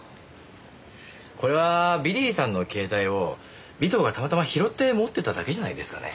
これはビリーさんの携帯を尾藤がたまたま拾って持ってただけじゃないですかね？